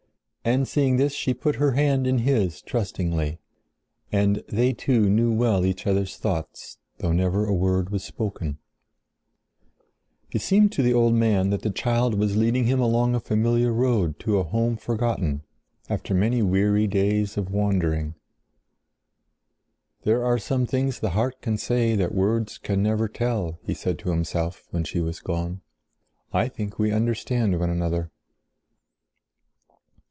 And seeing this she put her hand in his trustingly, and they two knew well each other's thoughts though never a word was spoken. It seemed to the old man that the child was leading him along a familiar road to a home forgotten—after many weary days of wandering. "There are some things the heart can say that words can never tell," he said to himself when she was gone. "I think we understand one another."